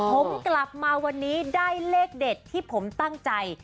ผมกลับมาวันนี้ได้เลขเด็ดที่ผมตั้งใจ